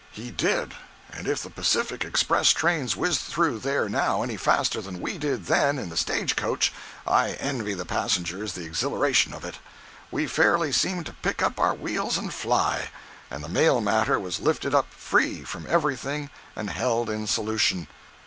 He did, and if the Pacific express trains whiz through there now any faster than we did then in the stage coach, I envy the passengers the exhilaration of it. We fairly seemed to pick up our wheels and fly—and the mail matter was lifted up free from everything and held in solution!